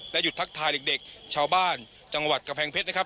หยุดทักทายเด็กชาวบ้านจังหวัดกำแพงเพชรนะครับ